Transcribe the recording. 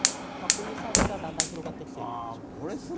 こういうサービスはだんだん広がってきているような状況です。